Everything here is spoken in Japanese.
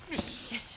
よし。